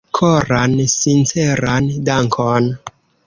Koran sinceran dankon!